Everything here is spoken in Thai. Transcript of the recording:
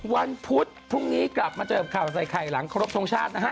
วันพุธพรุ่งนี้กลับมาเจอกับข่าวใส่ไข่หลังครบทรงชาตินะฮะ